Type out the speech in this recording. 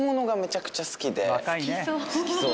好きそう。